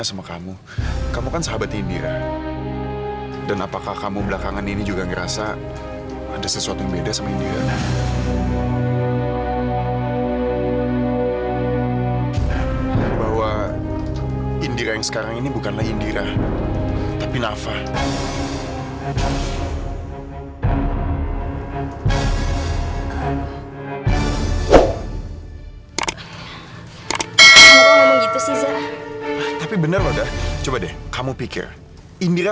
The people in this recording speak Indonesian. sampai jumpa di video selanjutnya